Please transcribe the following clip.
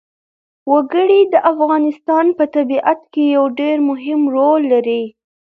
وګړي د افغانستان په طبیعت کې یو ډېر مهم رول لري.